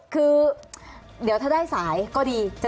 คือเดี๋ยวถ้าได้สายก็ดี